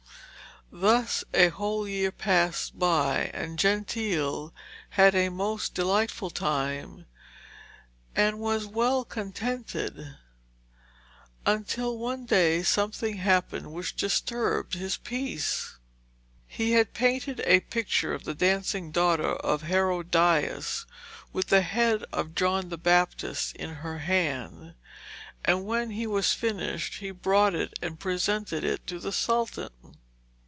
Thus a whole year passed by, and Gentile had a most delightful time and was well contented, until one day something happened which disturbed his peace. He had painted a picture of the dancing daughter of Herodias, with the head of John the Baptist in her hand, and when it was finished he brought it and presented it to the Sultan.